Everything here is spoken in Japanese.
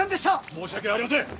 申し訳ありません！